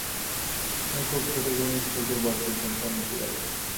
তুমি খুব ছোট জিনিস থেকে বড় সিদ্ধান্ত নিতে চাইছ।